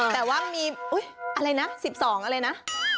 แต่ว่ามีอะไรนะ๑๒อะไรนะ